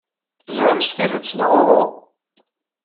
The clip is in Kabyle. Tezham s tidet, neɣ uhu?